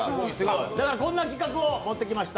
だからこんな企画を持ってきました。